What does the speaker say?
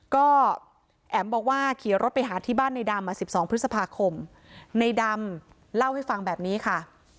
ก็แอ๋มบอกว่าขี่รถไปหาที่บ้านในดำ๑๒พฤษภาคมในดำเล่าให้ฟังแบบนี้ค่ะ